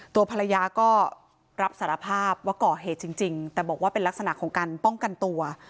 ตัวภรรยาก็รับสารภาพว่าก่อเหตุจริงแต่บอกว่าเป็นลักษณะของการป้องกันตัว